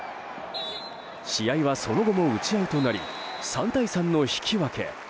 試合は、その後も打ち合いとなり３対３の引き分け。